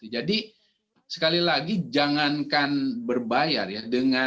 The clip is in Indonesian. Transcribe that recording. jadi sekali lagi jangankan berbayar ya